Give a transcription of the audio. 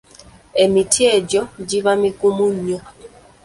Emiti egyo giba migumu nnyo.